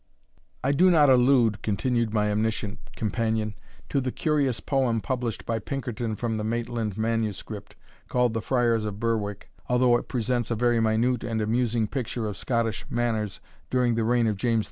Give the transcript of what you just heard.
"I do not allude," continued my omniscient companion, "to the curious poem published by Pinkerton from the Maitland Manuscript, called the Fryars of Berwick, although it presents a very minute and amusing picture of Scottish manners during the reign of James V.